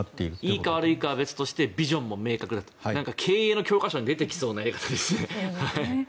いいか悪いかは別にしてビジョンも明確経営の教科書に出てきそうですね。